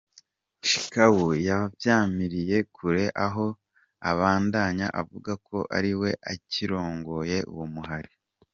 Shekau yavyamiriye kure aho abandanya avuga ko ari we akirongoye uwo muhari.